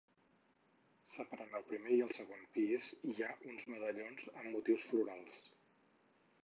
Separant el primer i el segon pis hi ha uns medallons amb motius florals.